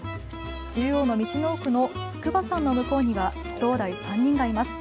中央の道の奥の筑波山の向こうにはきょうだい３人がいます。